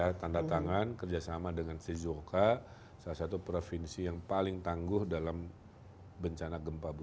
karena kita sudah diberi kesempatan kerjasama dengan sejoka salah satu provinsi yang paling tangguh dalam bencana gempa bumi